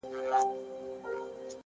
هوښیار انسان فرصت نه ضایع کوي.